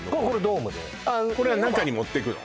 ドームでこれは中に持ってくの？